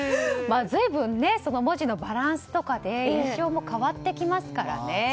随分、文字のバランスとかで印象も変わってきますからね。